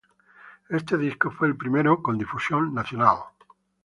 Este disco fue el primero con difusión nacional.